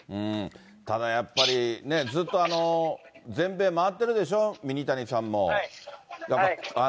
ただやっぱり、ずっと全米回ってるでしょ、ミニタニさんも。